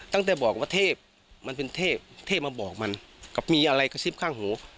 ตั้งแต่บอกว่าเทพมันเป็นเทพเทพมาบอกมันกับมีอะไรกระซิบข้างหู